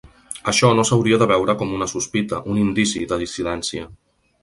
Això no s’hauria de veure com una sospita, un indici, de dissidència.